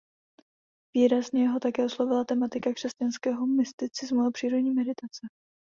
Výrazně ho také oslovila tematika křesťanského mysticismu a přírodní meditace.